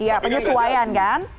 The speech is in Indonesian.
iya penyesuaian kan